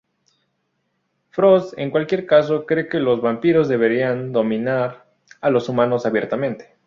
Frost, en cualquier caso, cree que los vampiros deberían dominar a los humanos abiertamente.